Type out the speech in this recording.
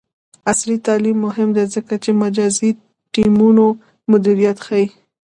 عصري تعلیم مهم دی ځکه چې د مجازی ټیمونو مدیریت ښيي.